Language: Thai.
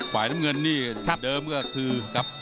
ฝ่ายน้ำเงินนี่เดิมก็คือครับ